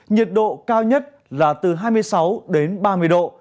nhiệt độ cao nhất là từ hai mươi sáu đến ba mươi độ